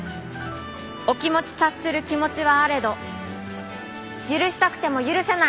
お気持ち察する気持ちはあれど許したくても許せない！